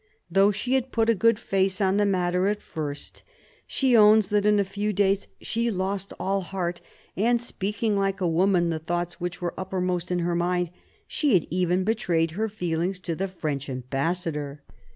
Though she had put a good face on the matter at first, she owns that in a few days she lost all heart ; and, speaking like a woman the thoughts which were uppermost in her mind, she had even betrayed her feelings to the French ambassador.